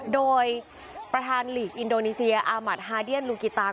โดยประธานหลีกอินโดนีเซียอามัดฮาเดียนลูกิตา